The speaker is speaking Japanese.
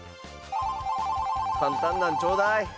簡単なのちょうだい。